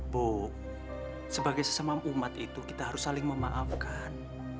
bu sebagai sesemam umat itu kita harus saling memaafkan